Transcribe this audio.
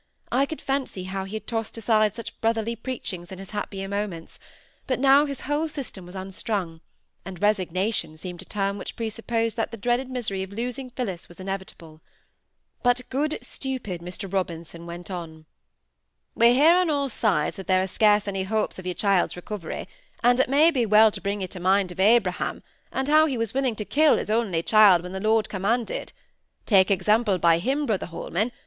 I could fancy how he had tossed aside such brotherly preachings in his happier moments; but now his whole system was unstrung, and "resignation" seemed a term which presupposed that the dreaded misery of losing Phillis was inevitable. But good stupid Mr Robinson went on. "We hear on all sides that there are scarce any hopes of your child's recovery; and it may be well to bring you to mind of Abraham; and how he was willing to kill his only child when the Lord commanded. Take example by him, Brother Holman.